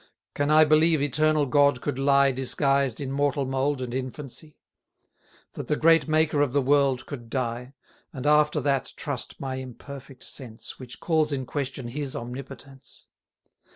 Can I believe Eternal God could lie 80 Disguised in mortal mould and infancy? That the great Maker of the world could die? And after that trust my imperfect sense, Which calls in question His Omnipotence?